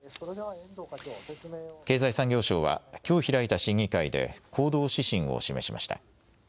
経済産業省は、きょう開いた審議会で行動指針を示しました。